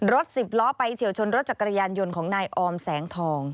สิบล้อไปเฉียวชนรถจักรยานยนต์ของนายออมแสงทอง